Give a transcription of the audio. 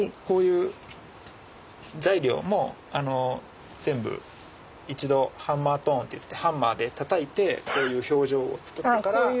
こういう材料も全部一度ハンマートーンっていってハンマーでたたいてこういう表情を作ってから。